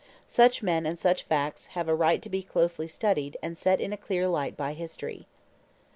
Such men and such facts have a right to be closely studied and set in a clear light by history.